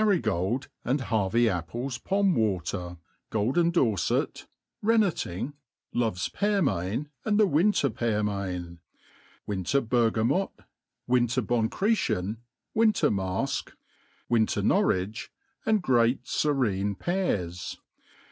339 gold and Harvey apples pom water, golden dorfet, renneting, love's pear main, and the wintei; pearmain ; winter*burgamor, winter bonchretien, winter mafk, winter Norwich, and great furrein pears.